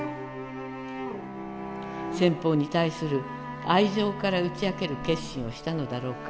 先方に対する愛情から打ちあける決心をしたのだろうか。